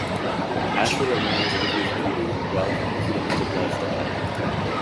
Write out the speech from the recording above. Astrid admires Olivia's beauty, wealth, and hedonistic lifestyle.